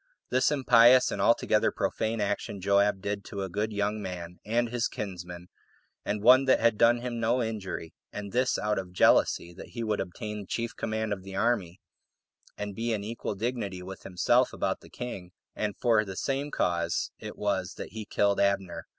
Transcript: This impious and altogether profane action Joab did to a good young man, and his kinsman, and one that had done him no injury, and this out of jealousy that he would obtain the chief command of the army, and be in equal dignity with himself about the king; and for the same cause it was that he killed Abner.